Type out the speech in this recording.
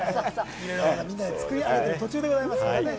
みんなで作り上げている途中でございますからね。